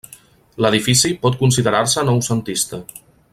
L'edifici pot considerar-se noucentista.